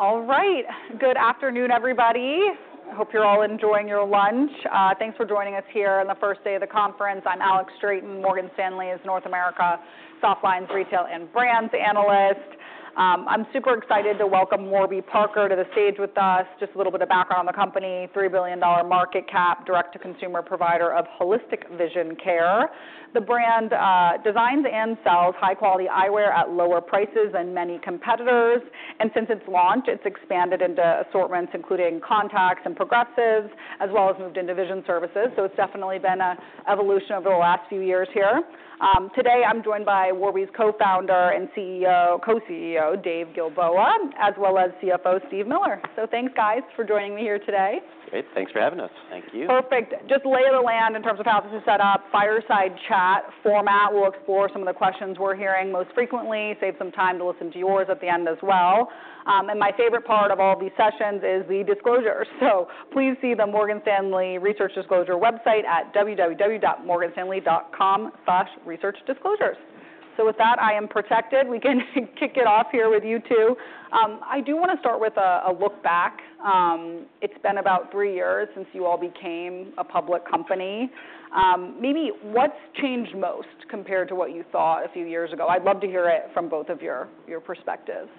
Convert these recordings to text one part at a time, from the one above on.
All right. Good afternoon, everybody. I hope you're all enjoying your lunch. Thanks for joining us here on the first day of the conference. I'm Alex Straton, Morgan Stanley's North America Softlines Retail and Brands Analyst. I'm super excited to welcome Warby Parker to the stage with us. Just a little bit of background on the company: $3 billion market cap, direct-to-consumer provider of holistic vision care. The brand designs and sells high-quality eyewear at lower prices than many competitors. And since its launch, it's expanded into assortments including contacts and progressives, as well as moved into vision services. So it's definitely been an evolution over the last few years here. Today, I'm joined by Warby's Co-founder and Co-CEO Dave Gilboa, as well as CFO Steve Miller. So thanks, guys, for joining me here today. Great. Thanks for having us. Thank you. Perfect. Just lay of the land in terms of how this is set up: fireside chat format. We'll explore some of the questions we're hearing most frequently, save some time to listen to yours at the end as well. My favorite part of all these sessions is the disclosures, so please see the Morgan Stanley Research Disclosure website at www.morganstanley.com/researchdisclosures. With that, I am protected. We can kick it off here with you two. I do want to start with a look back. It's been about three years since you all became a public company. Maybe what's changed most compared to what you thought a few years ago? I'd love to hear it from both of your perspectives.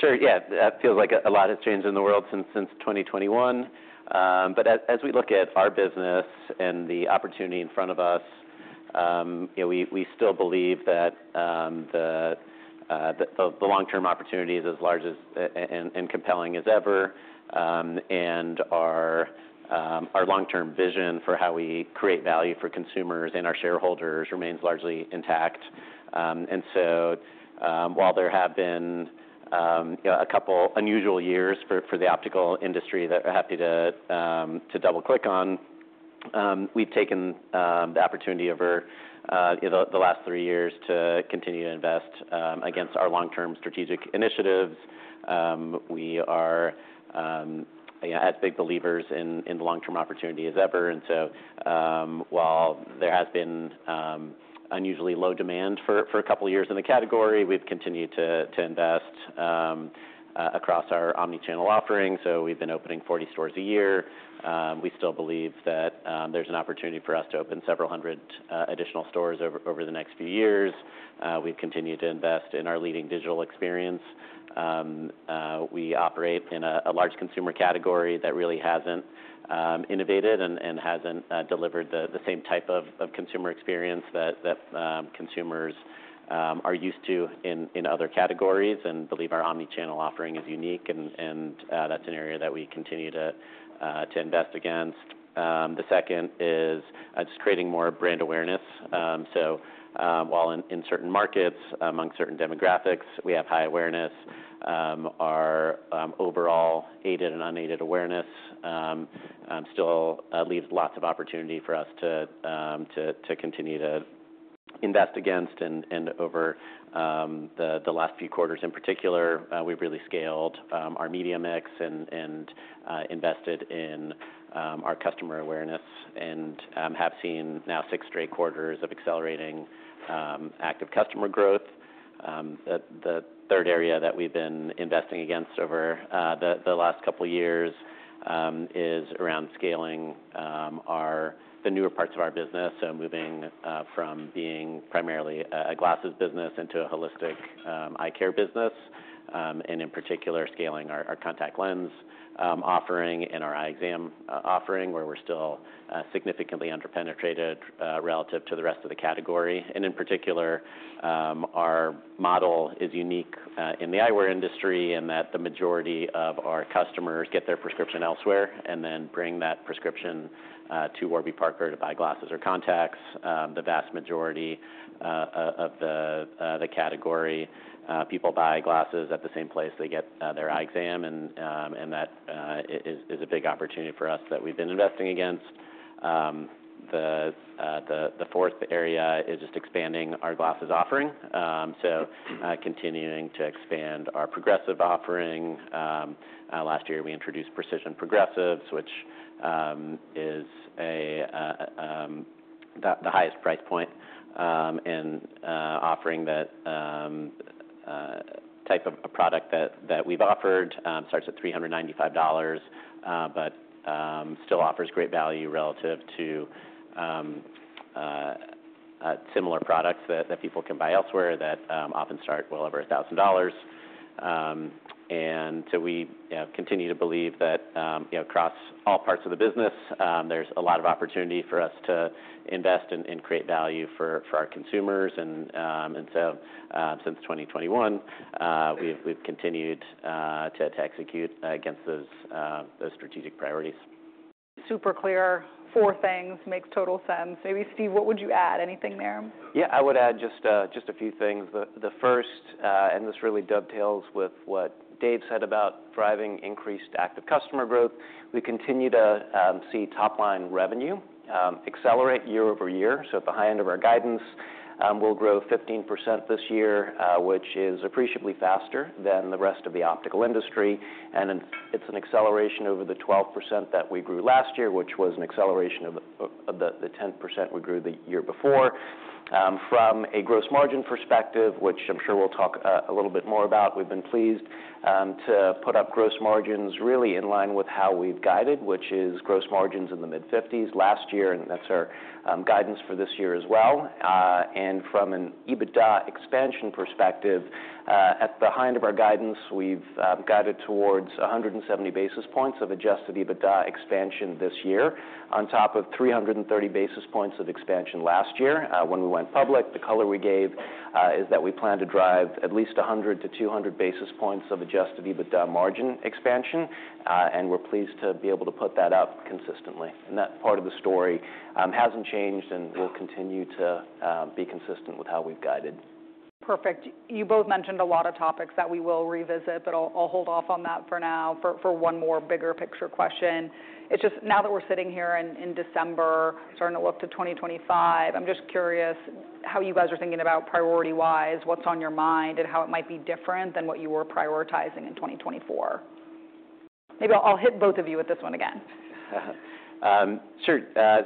Sure. Yeah. That feels like a lot has changed in the world since 2021, but as we look at our business and the opportunity in front of us, we still believe that the long-term opportunity is as large and compelling as ever, and our long-term vision for how we create value for consumers and our shareholders remains largely intact, and so while there have been a couple unusual years for the optical industry that we're happy to double-click on, we've taken the opportunity over the last three years to continue to invest against our long-term strategic initiatives. We are as big believers in the long-term opportunity as ever, and so while there has been unusually low demand for a couple of years in the category, we've continued to invest across our omnichannel offering, so we've been opening 40 stores a year. We still believe that there's an opportunity for us to open several hundred additional stores over the next few years. We've continued to invest in our leading digital experience. We operate in a large consumer category that really hasn't innovated and hasn't delivered the same type of consumer experience that consumers are used to in other categories and believe our omnichannel offering is unique, and that's an area that we continue to invest against. The second is just creating more brand awareness, so while in certain markets, among certain demographics, we have high awareness, our overall aided and unaided awareness still leaves lots of opportunity for us to continue to invest against, and over the last few quarters in particular, we've really scaled our media mix and invested in our customer awareness and have seen now six straight quarters of accelerating active customer growth. The third area that we've been investing against over the last couple of years is around scaling the newer parts of our business, so moving from being primarily a glasses business into a holistic eye care business and in particular scaling our contact lens offering and our eye exam offering, where we're still significantly underpenetrated relative to the rest of the category, and in particular our model is unique in the eyewear industry in that the majority of our customers get their prescription elsewhere and then bring that prescription to Warby Parker to buy glasses or contacts. The vast majority of the category, people buy glasses at the same place they get their eye exam, and that is a big opportunity for us that we've been investing against. The fourth area is just expanding our glasses offering, so continuing to expand our progressive offering. Last year, we introduced precision progressives, which is the highest price point in offering that type of product that we've offered. It starts at $395, but still offers great value relative to similar products that people can buy elsewhere that often start well over $1,000. And so we continue to believe that across all parts of the business, there's a lot of opportunity for us to invest and create value for our consumers. And so since 2021, we've continued to execute against those strategic priorities. Super clear. Four things. Makes total sense. Maybe, Steve, what would you add? Anything there? Yeah. I would add just a few things. The first, and this really dovetails with what Dave said about driving increased active customer growth. We continue to see top-line revenue accelerate year-over-year, so at the high end of our guidance, we'll grow 15% this year, which is appreciably faster than the rest of the optical industry, and it's an acceleration over the 12% that we grew last year, which was an acceleration of the 10% we grew the year before. From a gross margin perspective, which I'm sure we'll talk a little bit more about, we've been pleased to put up gross margins really in line with how we've guided, which is gross margins in the mid-50s last year, and that's our guidance for this year as well. And from an Adjusted EBITDA expansion perspective, at the high end of our guidance, we've guided towards 170 basis points of Adjusted EBITDA expansion this year on top of 330 basis points of expansion last year when we went public. The color we gave is that we plan to drive at least 100 to 200 basis points of Adjusted EBITDA margin expansion. And we're pleased to be able to put that up consistently. And that part of the story hasn't changed and will continue to be consistent with how we've guided. Perfect. You both mentioned a lot of topics that we will revisit, but I'll hold off on that for now for one more bigger picture question. It's just now that we're sitting here in December, starting to look to 2025, I'm just curious how you guys are thinking about priority-wise, what's on your mind, and how it might be different than what you were prioritizing in 2024. Maybe I'll hit both of you with this one again. Sure.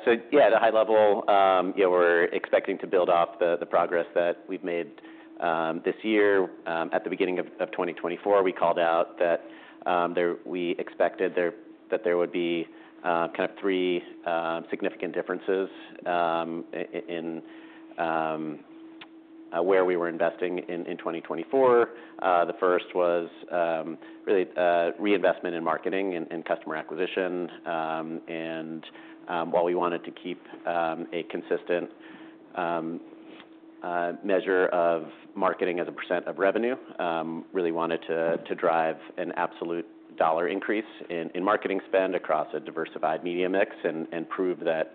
So yeah, at a high level, we're expecting to build off the progress that we've made this year. At the beginning of 2024, we called out that we expected that there would be kind of three significant differences in where we were investing in 2024. The first was really reinvestment in marketing and customer acquisition. And while we wanted to keep a consistent measure of marketing as a percent of revenue, we really wanted to drive an absolute dollar increase in marketing spend across a diversified media mix and prove that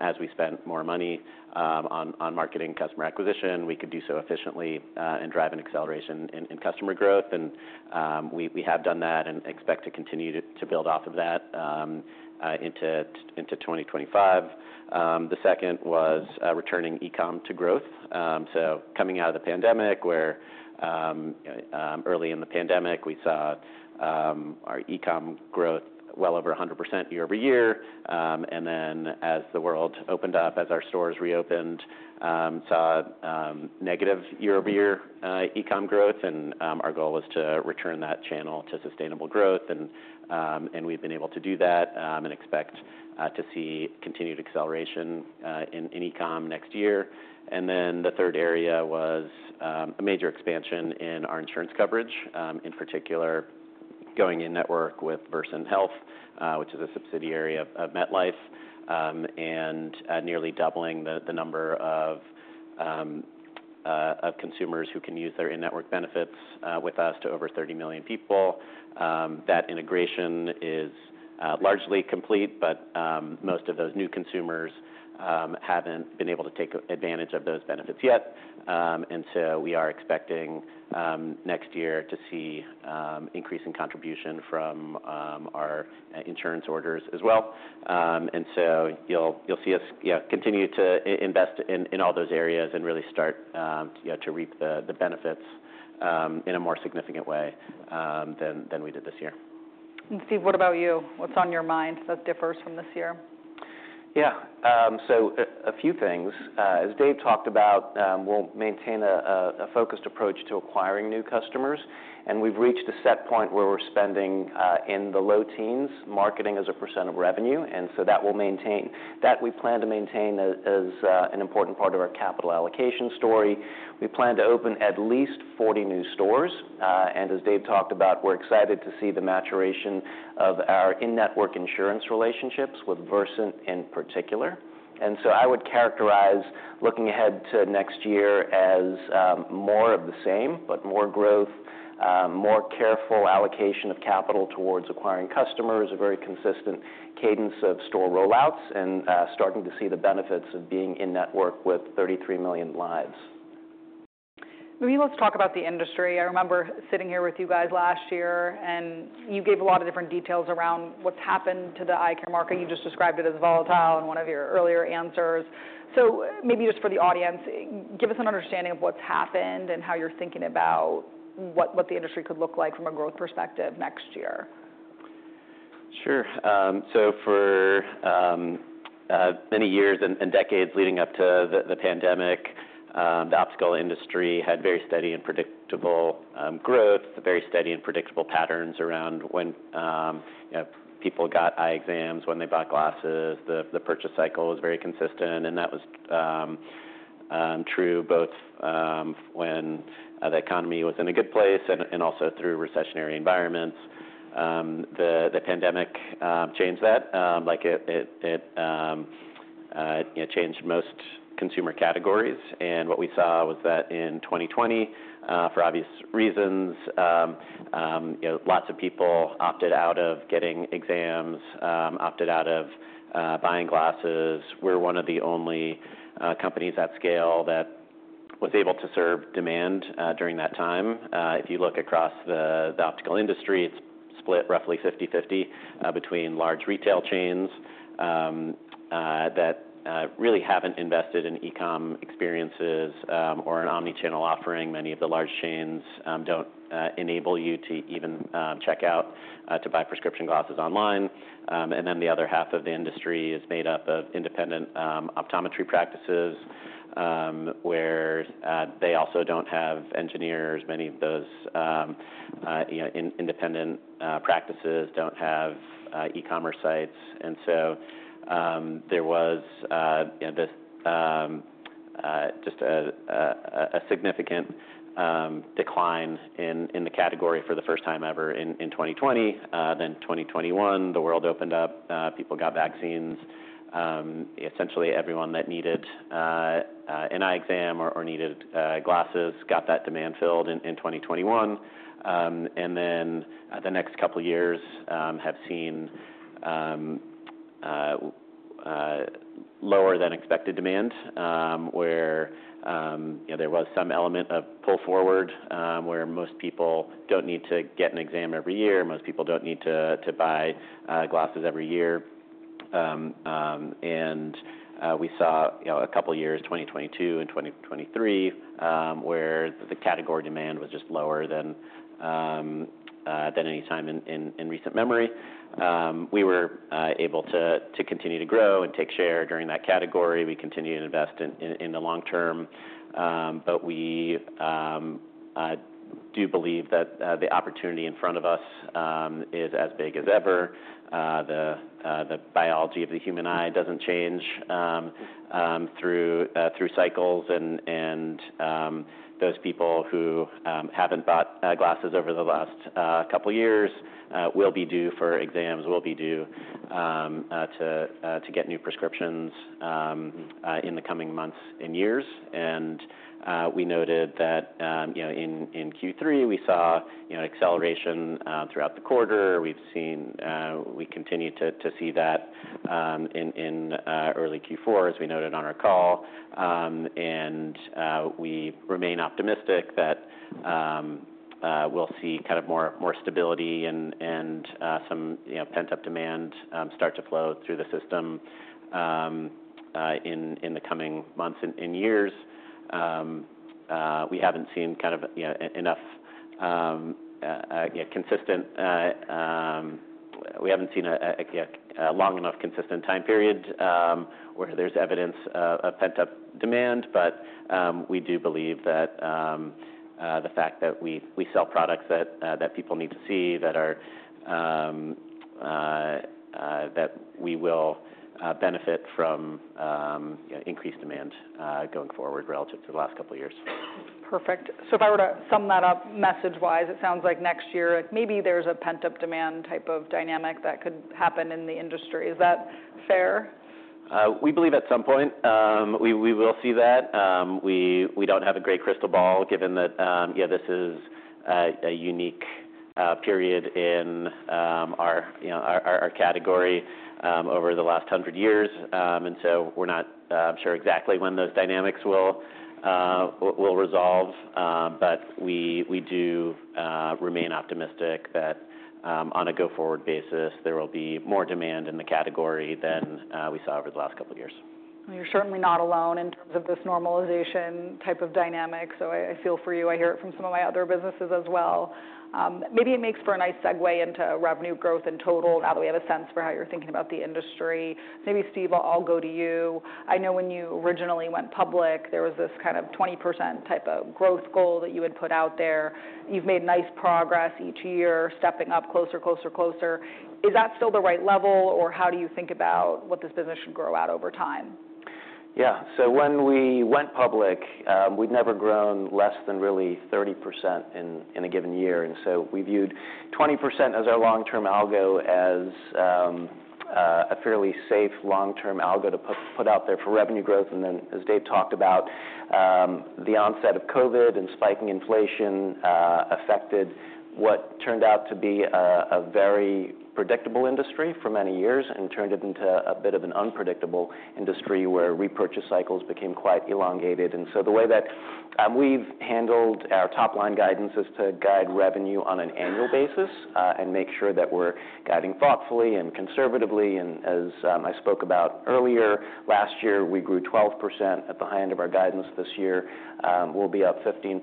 as we spend more money on marketing customer acquisition, we could do so efficiently and drive an acceleration in customer growth. And we have done that and expect to continue to build off of that into 2025. The second was returning e-com to growth. So coming out of the pandemic, where early in the pandemic, we saw our e-com growth well over 100% year-over-year. And then as the world opened up, as our stores reopened, we saw negative year-over-year e-com growth. And our goal was to return that channel to sustainable growth. And we've been able to do that and expect to see continued acceleration in e-com next year. And then the third area was a major expansion in our insurance coverage, in particular going in network with Versant Health, which is a subsidiary of MetLife, and nearly doubling the number of consumers who can use their in-network benefits with us to over 30 million people. That integration is largely complete, but most of those new consumers haven't been able to take advantage of those benefits yet. And so we are expecting next year to see increasing contribution from our insurance orders as well. And so you'll see us continue to invest in all those areas and really start to reap the benefits in a more significant way than we did this year. Steve, what about you? What's on your mind that differs from this year? Yeah. So a few things. As Dave talked about, we'll maintain a focused approach to acquiring new customers. And we've reached a set point where we're spending in the low teens marketing as a percent of revenue. And so that we plan to maintain as an important part of our capital allocation story. We plan to open at least 40 new stores. And as Dave talked about, we're excited to see the maturation of our in-network insurance relationships with Versant in particular. And so I would characterize looking ahead to next year as more of the same, but more growth, more careful allocation of capital towards acquiring customers, a very consistent cadence of store rollouts, and starting to see the benefits of being in network with 33 million lives. Maybe let's talk about the industry. I remember sitting here with you guys last year, and you gave a lot of different details around what's happened to the eye care market. You just described it as volatile in one of your earlier answers. So maybe just for the audience, give us an understanding of what's happened and how you're thinking about what the industry could look like from a growth perspective next year. Sure. So for many years and decades leading up to the pandemic, the optical industry had very steady and predictable growth, very steady and predictable patterns around when people got eye exams, when they bought glasses. The purchase cycle was very consistent. And that was true both when the economy was in a good place and also through recessionary environments. The pandemic changed that. It changed most consumer categories. And what we saw was that in 2020, for obvious reasons, lots of people opted out of getting exams, opted out of buying glasses. We're one of the only companies at scale that was able to serve demand during that time. If you look across the optical industry, it's split roughly 50/50 between large retail chains that really haven't invested in e-com experiences or an omnichannel offering. Many of the large chains don't enable you to even check out to buy prescription glasses online, and then the other half of the industry is made up of independent optometry practices, where they also don't have engineers. Many of those independent practices don't have e-commerce sites, and so there was just a significant decline in the category for the first time ever in 2020, then 2021, the world opened up. People got vaccines. Essentially, everyone that needed an eye exam or needed glasses got that demand filled in 2021, and then the next couple of years have seen lower than expected demand, where there was some element of pull forward, where most people don't need to get an exam every year. Most people don't need to buy glasses every year. And we saw a couple of years, 2022 and 2023, where the category demand was just lower than any time in recent memory. We were able to continue to grow and take share during that category. We continued to invest in the long term. But we do believe that the opportunity in front of us is as big as ever. The biology of the human eye doesn't change through cycles. And those people who haven't bought glasses over the last couple of years will be due for exams, will be due to get new prescriptions in the coming months and years. And we noted that in Q3, we saw acceleration throughout the quarter. We continue to see that in early Q4, as we noted on our call. We remain optimistic that we'll see kind of more stability and some pent-up demand start to flow through the system in the coming months and years. We haven't seen a long enough consistent time period where there's evidence of pent-up demand. But we do believe that the fact that we sell products that people need to see that we will benefit from increased demand going forward relative to the last couple of years. Perfect. So if I were to sum that up message-wise, it sounds like next year, maybe there's a pent-up demand type of dynamic that could happen in the industry. Is that fair? We believe at some point we will see that. We don't have a great crystal ball given that this is a unique period in our category over the last 100 years. And so we're not sure exactly when those dynamics will resolve. But we do remain optimistic that on a go-forward basis, there will be more demand in the category than we saw over the last couple of years. You're certainly not alone in terms of this normalization type of dynamic. So I feel for you. I hear it from some of my other businesses as well. Maybe it makes for a nice segue into revenue growth in total now that we have a sense for how you're thinking about the industry. Maybe, Steve, I'll go to you. I know when you originally went public, there was this kind of 20% type of growth goal that you had put out there. You've made nice progress each year, stepping up closer, closer, closer. Is that still the right level, or how do you think about what this business should grow at over time? Yeah. So when we went public, we'd never grown less than really 30% in a given year, and so we viewed 20% as our long-term algo, as a fairly safe long-term algo to put out there for revenue growth, and then, as Dave talked about, the onset of COVID and spiking inflation affected what turned out to be a very predictable industry for many years and turned it into a bit of an unpredictable industry where repurchase cycles became quite elongated, and so the way that we've handled our top-line guidance is to guide revenue on an annual basis and make sure that we're guiding thoughtfully and conservatively, and as I spoke about earlier, last year, we grew 12% at the high end of our guidance. This year, we'll be up 15%,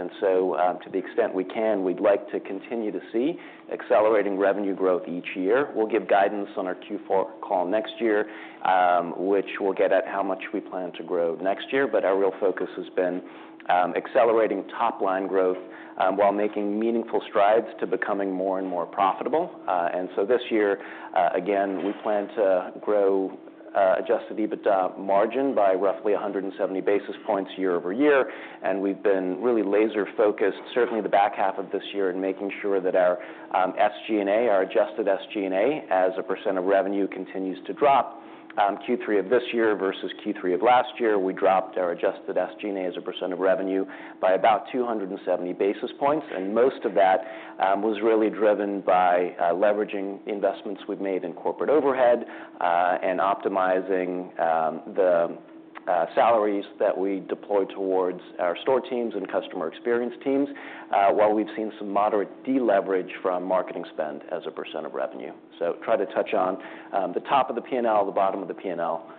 and so to the extent we can, we'd like to continue to see accelerating revenue growth each year. We'll give guidance on our Q4 call next year, which we'll get at how much we plan to grow next year. But our real focus has been accelerating top-line growth while making meaningful strides to becoming more and more profitable. And so this year, again, we plan to grow Adjusted EBITDA margin by roughly 170 basis points year-over-year. And we've been really laser-focused, certainly the back half of this year, in making sure that our SG&A, our Adjusted SG&A as a percent of revenue, continues to drop. Q3 of this year versus Q3 of last year, we dropped our Adjusted SG&A as a percent of revenue by about 270 basis points. Most of that was really driven by leveraging investments we've made in corporate overhead and optimizing the salaries that we deploy towards our store teams and customer experience teams, while we've seen some moderate deleverage from marketing spend as a percent of revenue. Try to touch on the top of the P&L, the bottom of the P&L.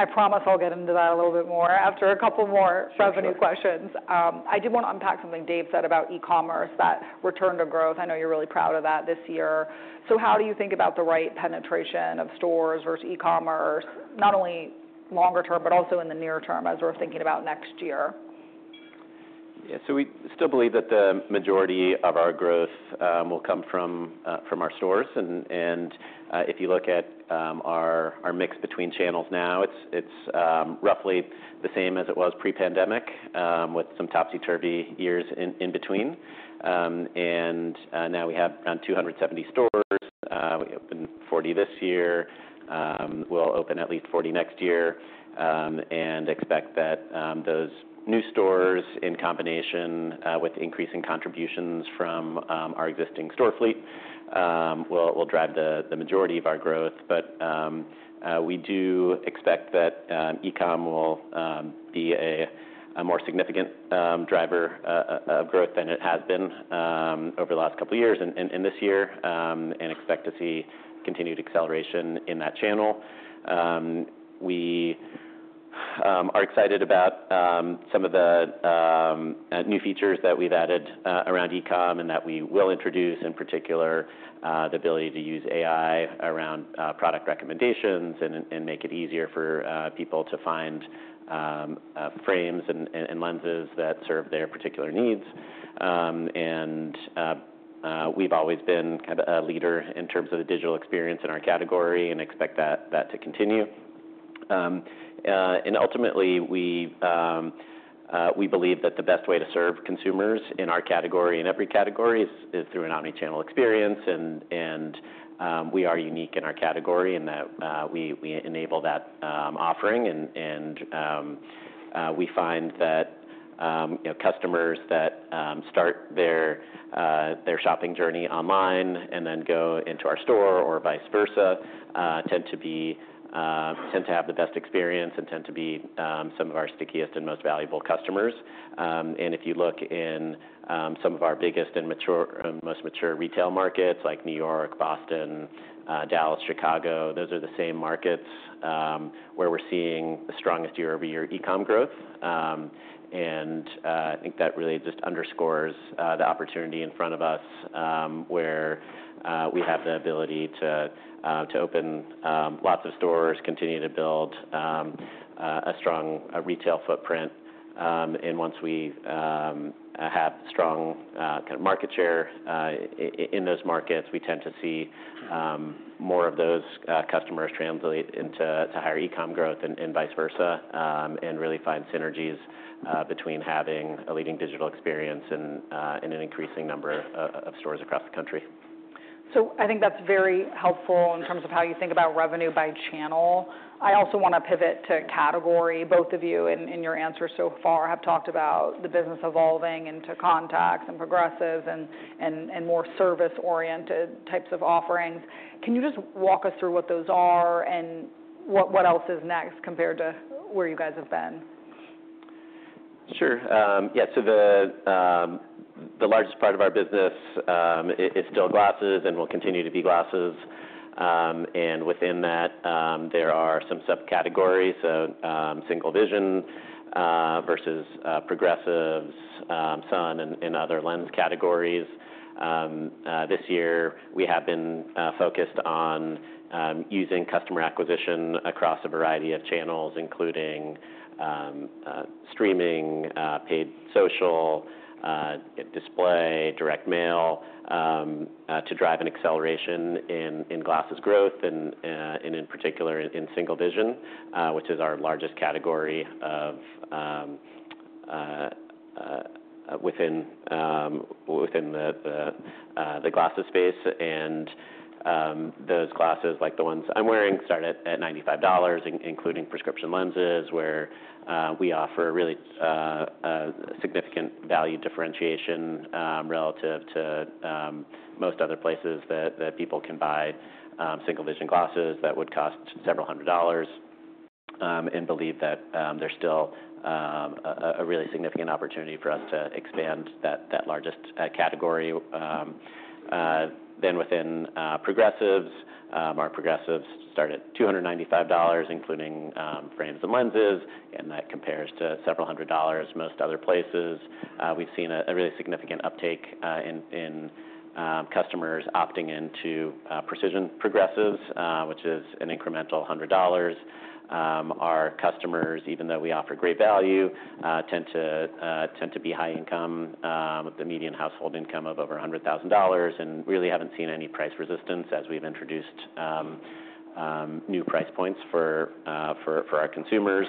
I promise I'll get into that a little bit more after a couple more revenue questions. I did want to unpack something Dave said about e-commerce, that return to growth. I know you're really proud of that this year. So how do you think about the right penetration of stores versus e-commerce, not only longer term, but also in the near term as we're thinking about next year? Yeah. So we still believe that the majority of our growth will come from our stores. And if you look at our mix between channels now, it's roughly the same as it was pre-pandemic, with some topsy-turvy years in between. And now we have around 270 stores. We opened 40 this year. We'll open at least 40 next year and expect that those new stores, in combination with increasing contributions from our existing store fleet, will drive the majority of our growth. But we do expect that e-com will be a more significant driver of growth than it has been over the last couple of years and this year and expect to see continued acceleration in that channel. We are excited about some of the new features that we've added around e-com and that we will introduce, in particular the ability to use AI around product recommendations and make it easier for people to find frames and lenses that serve their particular needs. And we've always been kind of a leader in terms of the digital experience in our category and expect that to continue. And ultimately, we believe that the best way to serve consumers in our category and every category is through an omnichannel experience. And we are unique in our category in that we enable that offering. And we find that customers that start their shopping journey online and then go into our store or vice versa tend to have the best experience and tend to be some of our stickiest and most valuable customers. And if you look in some of our biggest and most mature retail markets, like New York, Boston, Dallas, Chicago, those are the same markets where we're seeing the strongest year-over-year e-com growth. And I think that really just underscores the opportunity in front of us, where we have the ability to open lots of stores, continue to build a strong retail footprint. And once we have strong kind of market share in those markets, we tend to see more of those customers translate into higher e-com growth and vice versa and really find synergies between having a leading digital experience and an increasing number of stores across the country. So I think that's very helpful in terms of how you think about revenue by channel. I also want to pivot to category. Both of you in your answers so far have talked about the business evolving into contacts and progressives and more service-oriented types of offerings. Can you just walk us through what those are and what else is next compared to where you guys have been? Sure. Yeah. So the largest part of our business is still glasses and will continue to be glasses. And within that, there are some subcategories: single vision versus progressives, sun, and other lens categories. This year, we have been focused on using customer acquisition across a variety of channels, including streaming, paid social, display, direct mail, to drive an acceleration in glasses growth and, in particular, in single vision, which is our largest category within the glasses space. And those glasses, like the ones I'm wearing, start at $95, including prescription lenses, where we offer really significant value differentiation relative to most other places that people can buy single vision glasses that would cost several hundred dollars. And I believe that there's still a really significant opportunity for us to expand that largest category. Then within progressives, our progressives start at $295, including frames and lenses. And that compares to several hundred dollars most other places. We've seen a really significant uptake in customers opting into precision progressives, which is an incremental $100. Our customers, even though we offer great value, tend to be high-income with a median household income of over $100,000 and really haven't seen any price resistance as we've introduced new price points for our consumers.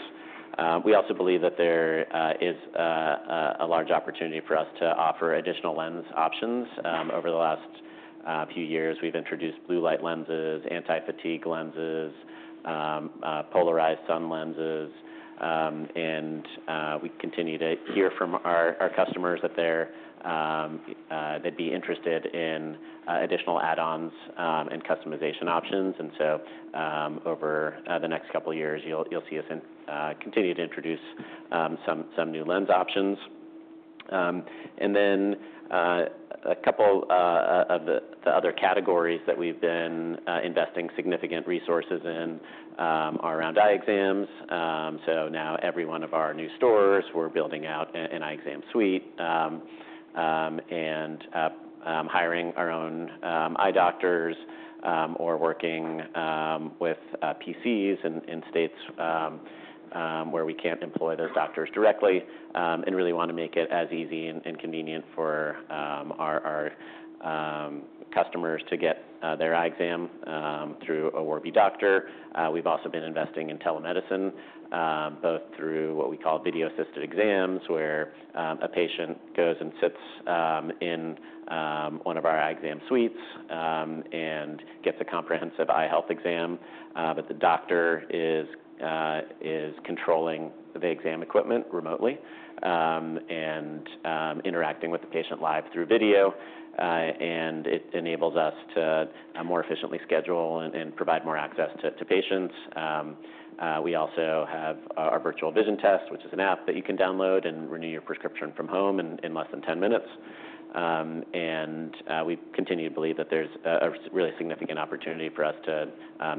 We also believe that there is a large opportunity for us to offer additional lens options. Over the last few years, we've introduced blue light lenses, anti-fatigue lenses, polarized sun lenses. And we continue to hear from our customers that they'd be interested in additional add-ons and customization options. And so over the next couple of years, you'll see us continue to introduce some new lens options. And then a couple of the other categories that we've been investing significant resources in are around eye exams. So now every one of our new stores, we're building out an eye exam suite and hiring our own eye doctors or working with PCs in states where we can't employ those doctors directly and really want to make it as easy and convenient for our customers to get their eye exam through a Warby doctor. We've also been investing in telemedicine, both through what we call Video-assisted exams, where a patient goes and sits in one of our eye exam suites and gets a comprehensive eye health exam, but the doctor is controlling the exam equipment remotely and interacting with the patient live through video, and it enables us to more efficiently schedule and provide more access to patients. We also have our Virtual Vision Test, which is an app that you can download and renew your prescription from home in less than 10 minutes. And we continue to believe that there's a really significant opportunity for us to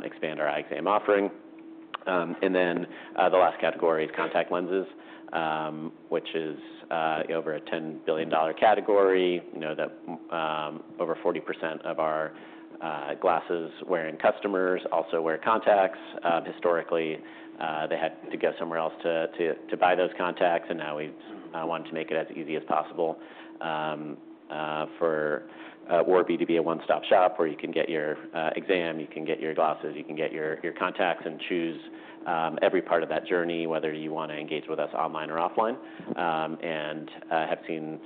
expand our eye exam offering. And then the last category is contact lenses, which is over a $10 billion category. Over 40% of our glasses-wearing customers also wear contacts. Historically, they had to go somewhere else to buy those contacts. And now we want to make it as easy as possible for Warby to be a one-stop shop where you can get your exam, you can get your glasses, you can get your contacts, and choose every part of that journey, whether you want to engage with us online or offline. And I have seen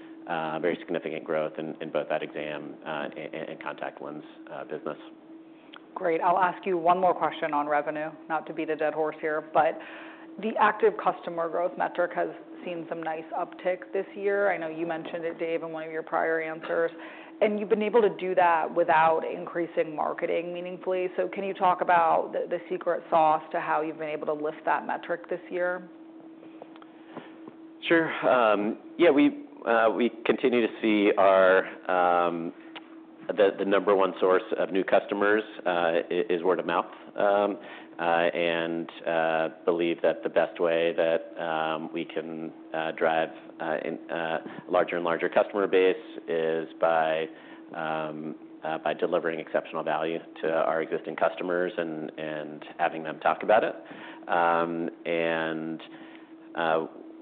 very significant growth in both that exam and contact lens business. Great. I'll ask you one more question on revenue, not to beat a dead horse here, but the active customer growth metric has seen some nice uptick this year. I know you mentioned it, Dave, in one of your prior answers. And you've been able to do that without increasing marketing meaningfully. So can you talk about the secret sauce to how you've been able to lift that metric this year? Sure. Yeah. We continue to see the number one source of new customers is word of mouth. And I believe that the best way that we can drive a larger and larger customer base is by delivering exceptional value to our existing customers and having them talk about it. And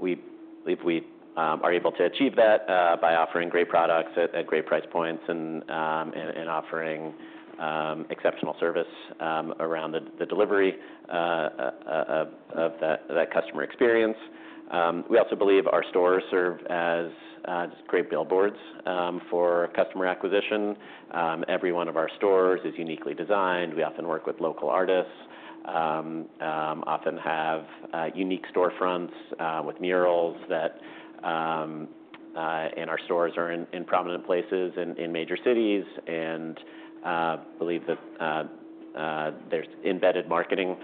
we believe we are able to achieve that by offering great products at great price points and offering exceptional service around the delivery of that customer experience. We also believe our stores serve as great billboards for customer acquisition. Every one of our stores is uniquely designed. We often work with local artists, often have unique storefronts with murals that in our stores are in prominent places in major cities. And I believe that there's embedded marketing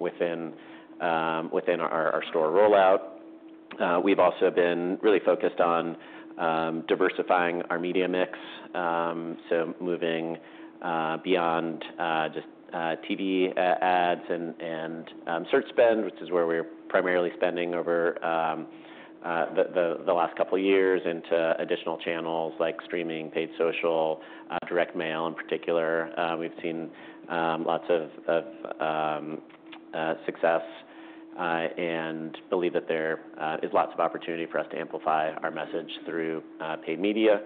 within our store rollout. We've also been really focused on diversifying our media mix, so moving beyond just TV ads and search spend, which is where we're primarily spending over the last couple of years, into additional channels like streaming, paid social, direct mail in particular. We've seen lots of success and believe that there is lots of opportunity for us to amplify our message through paid media,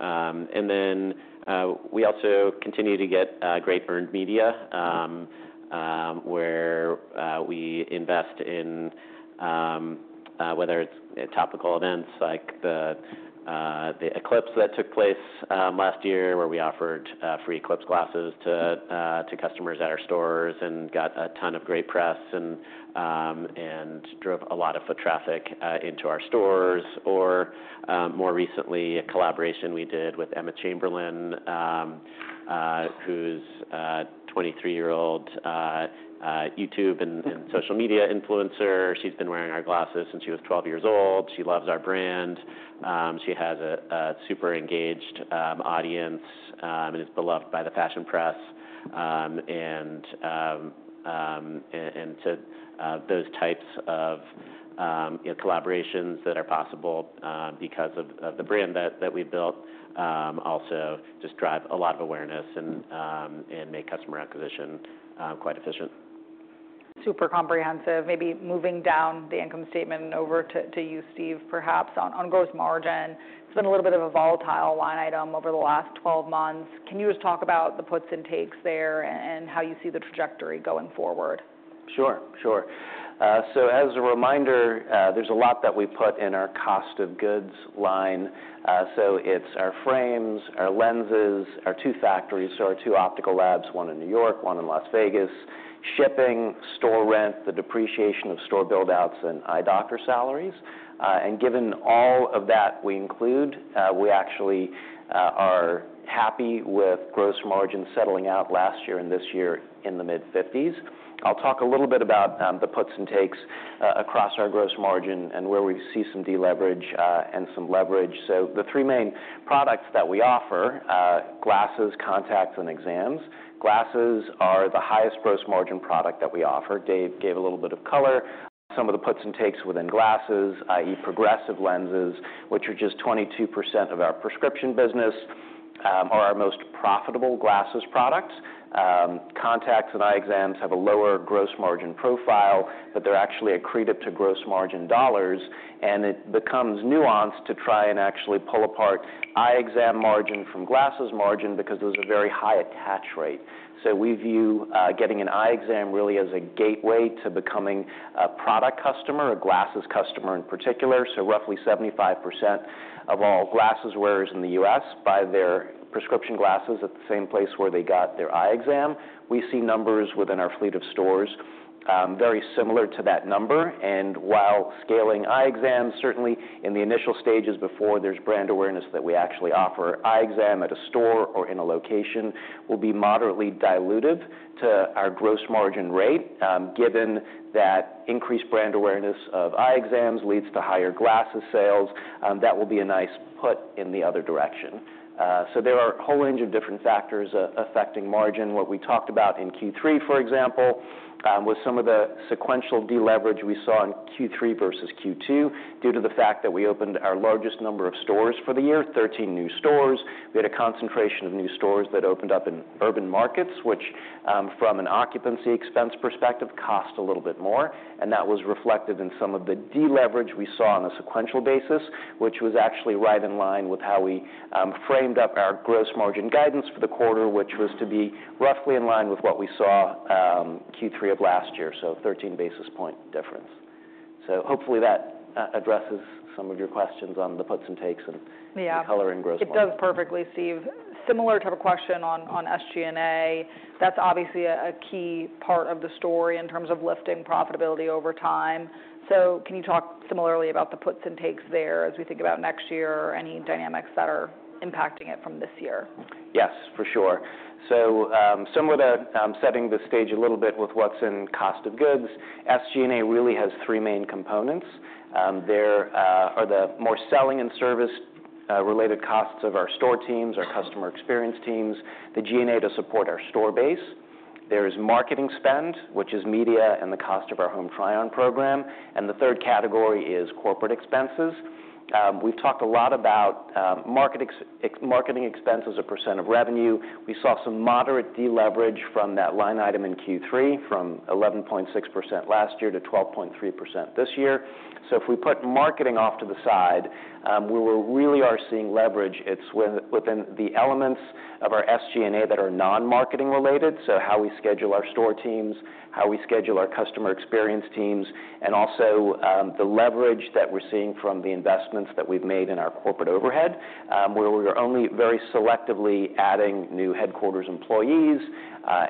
and then we also continue to get great earned media, where we invest in whether it's topical events like the eclipse that took place last year, where we offered free eclipse glasses to customers at our stores and got a ton of great press and drove a lot of foot traffic into our stores, or more recently, a collaboration we did with Emma Chamberlain, who's a 23-year-old YouTube and social media influencer. She's been wearing our glasses since she was 12 years old. She loves our brand. She has a super engaged audience and is beloved by the fashion press, and those types of collaborations that are possible because of the brand that we built also just drive a lot of awareness and make customer acquisition quite efficient. Super comprehensive. Maybe moving down the income statement and over to you, Steve, perhaps on gross margin. It's been a little bit of a volatile line item over the last 12 months. Can you just talk about the puts and takes there and how you see the trajectory going forward? Sure. Sure. So as a reminder, there's a lot that we put in our cost of goods line. So it's our frames, our lenses, our two factories. So our two optical labs, one in New York, one in Las Vegas, shipping, store rent, the depreciation of store buildouts, and eye doctor salaries. And given all of that we include, we actually are happy with gross margin settling out last year and this year in the mid-50s. I'll talk a little bit about the puts and takes across our gross margin and where we see some deleverage and some leverage. So the three main products that we offer: glasses, contacts, and exams. Glasses are the highest gross margin product that we offer. Dave gave a little bit of color. Some of the puts and takes within glasses, i.e., progressive lenses, which are just 22% of our prescription business, are our most profitable glasses products. Contacts and eye exams have a lower gross margin profile, but they're actually accretive to gross margin dollars, and it becomes nuanced to try and actually pull apart eye exam margin from glasses margin because there's a very high attach rate, so we view getting an eye exam really as a gateway to becoming a product customer, a glasses customer in particular, so roughly 75% of all glasses wearers in the U.S. buy their prescription glasses at the same place where they got their eye exam. We see numbers within our fleet of stores very similar to that number. While scaling eye exams, certainly in the initial stages before there's brand awareness that we actually offer eye exam at a store or in a location, will be moderately dilutive to our gross margin rate. Given that increased brand awareness of eye exams leads to higher glasses sales, that will be a nice put in the other direction. So there are a whole range of different factors affecting margin. What we talked about in Q3, for example, was some of the sequential deleverage we saw in Q3 versus Q2 due to the fact that we opened our largest number of stores for the year, 13 new stores. We had a concentration of new stores that opened up in urban markets, which from an occupancy expense perspective cost a little bit more. And that was reflected in some of the deleverage we saw on a sequential basis, which was actually right in line with how we framed up our gross margin guidance for the quarter, which was to be roughly in line with what we saw Q3 of last year, so a 13 basis point difference. So hopefully that addresses some of your questions on the puts and takes and coloring gross margin. It does perfectly, Steve. Similar type of question on SG&A. That's obviously a key part of the story in terms of lifting profitability over time. So can you talk similarly about the puts and takes there as we think about next year or any dynamics that are impacting it from this year? Yes, for sure. So some of the setting the stage a little bit with what's in cost of goods. SG&A really has three main components. There are the more selling and service-related costs of our store teams, our customer experience teams, the G&A to support our store base. There is marketing spend, which is media and the cost of our Home Try-On program. And the third category is corporate expenses. We've talked a lot about marketing expense as a percent of revenue. We saw some moderate deleverage from that line item in Q3 from 11.6% last year to 12.3% this year. So if we put marketing off to the side, where we really are seeing leverage, it's within the elements of our SG&A that are non-marketing related. So how we schedule our store teams, how we schedule our customer experience teams, and also the leverage that we're seeing from the investments that we've made in our corporate overhead, where we're only very selectively adding new headquarters employees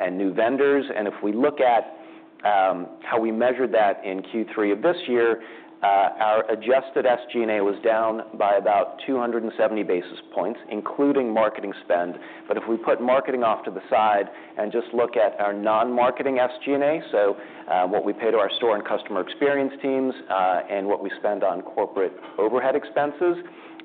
and new vendors. And if we look at how we measured that in Q3 of this year, our adjusted SG&A was down by about 270 basis points, including marketing spend. But if we put marketing off to the side and just look at our non-marketing SG&A, so what we pay to our store and customer experience teams and what we spend on corporate overhead expenses,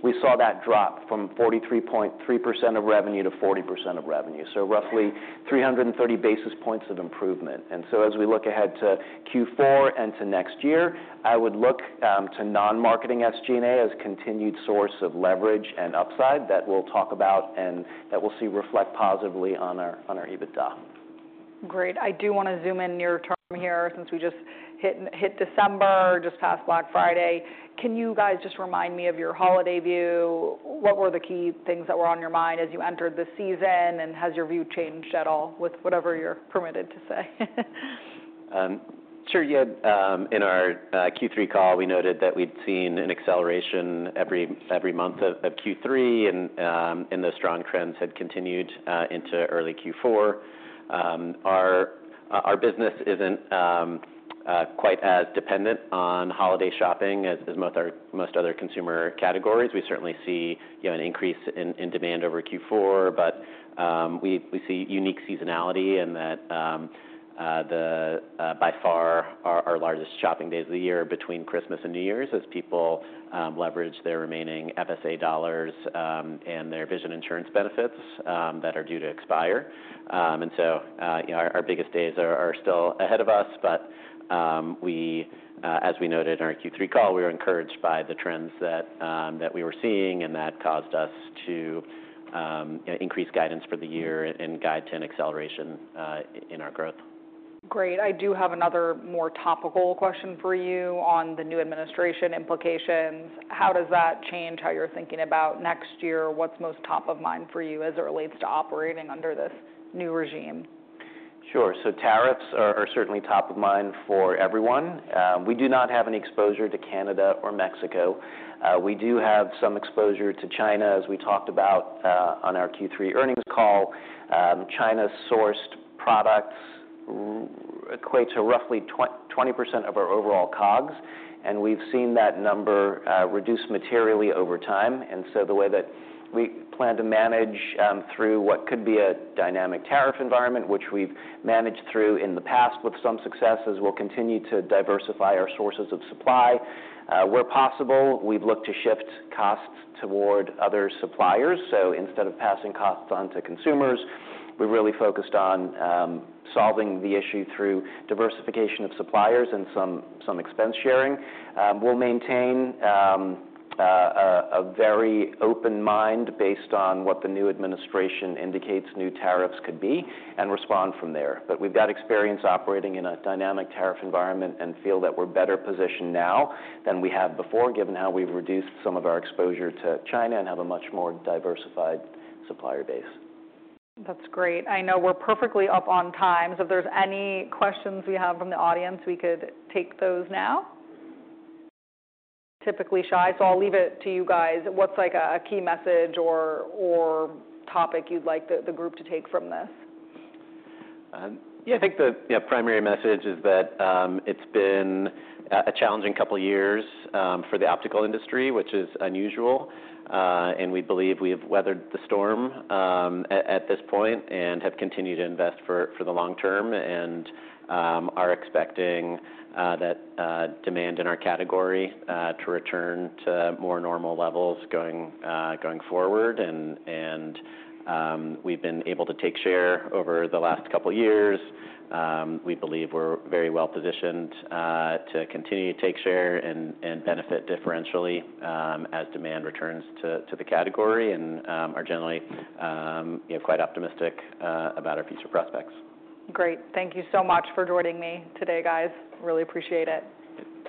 we saw that drop from 43.3% of revenue to 40% of revenue, so roughly 330 basis points of improvement. And so as we look ahead to Q4 and to next year, I would look to non-marketing SG&A as a continued source of leverage and upside that we'll talk about and that we'll see reflect positively on our EBITDA. Great. I do want to zoom in near term here since we just hit December, just past Black Friday. Can you guys just remind me of your holiday view? What were the key things that were on your mind as you entered the season? And has your view changed at all with whatever you're permitted to say? Sure. Yeah. In our Q3 call, we noted that we'd seen an acceleration every month of Q3, and those strong trends had continued into early Q4. Our business isn't quite as dependent on holiday shopping as most other consumer categories. We certainly see an increase in demand over Q4, but we see unique seasonality in that by far our largest shopping days of the year are between Christmas and New Year's as people leverage their remaining FSA dollars and their vision insurance benefits that are due to expire, and so our biggest days are still ahead of us, but as we noted in our Q3 call, we were encouraged by the trends that we were seeing, and that caused us to increase guidance for the year and guide to an acceleration in our growth. Great. I do have another more topical question for you on the new administration implications. How does that change how you're thinking about next year? What's most top of mind for you as it relates to operating under this new regime? Sure. So tariffs are certainly top of mind for everyone. We do not have any exposure to Canada or Mexico. We do have some exposure to China, as we talked about on our Q3 earnings call. China-sourced products equate to roughly 20% of our overall COGS. And we've seen that number reduce materially over time. And so the way that we plan to manage through what could be a dynamic tariff environment, which we've managed through in the past with some success, is we'll continue to diversify our sources of supply. Where possible, we've looked to shift costs toward other suppliers. So instead of passing costs on to consumers, we've really focused on solving the issue through diversification of suppliers and some expense sharing. We'll maintain a very open mind based on what the new administration indicates new tariffs could be and respond from there. But we've got experience operating in a dynamic tariff environment and feel that we're better positioned now than we had before, given how we've reduced some of our exposure to China and have a much more diversified supplier base. That's great. I know we're perfectly up on time. So if there's any questions we have from the audience, we could take those now. Typically shy, so I'll leave it to you guys. What's a key message or topic you'd like the group to take from this? Yeah. I think the primary message is that it's been a challenging couple of years for the optical industry, which is unusual, and we believe we have weathered the storm at this point and have continued to invest for the long term and are expecting that demand in our category to return to more normal levels going forward, and we've been able to take share over the last couple of years. We believe we're very well positioned to continue to take share and benefit differentially as demand returns to the category and are generally quite optimistic about our future prospects. Great. Thank you so much for joining me today, guys. Really appreciate it.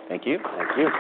Thank you. Thank you.